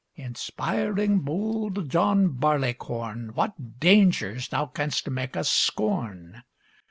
Inspiring, bold John Barleycorn! What dangers thou canst mak' us scorn!